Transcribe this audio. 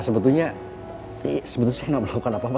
sebetulnya eh sebetulnya saya tidak melakukan apa apa